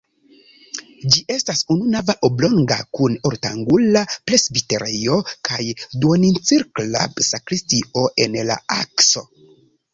Ĝi estas ununava, oblonga kun ortangula presbiterejo kaj duoncirkla sakristio en la akso.